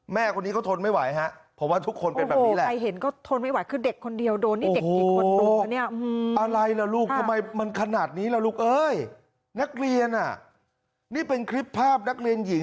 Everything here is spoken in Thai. มันขนาดนี้แล้วลูกเอ้ยนักเรียนน่ะนี่เป็นคลิปภาพนักเรียนหญิง